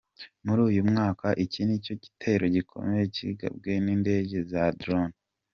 Muri uyu mwaka iki nicyo gitero gikomeye kigabwe n’indege za Drones.